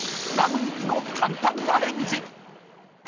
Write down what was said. ラム肉の簡単アレンジ。